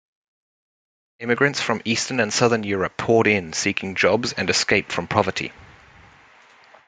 Immigrants from Eastern and Southern Europe poured in seeking jobs and escape from poverty.